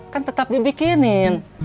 kan tetap dibikinin